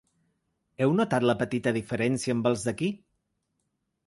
Heu notat la petita diferència amb els d’aquí?